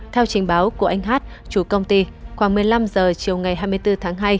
theo trình báo của anh hát chủ công ty khoảng một mươi năm h chiều ngày hai mươi bốn tháng hai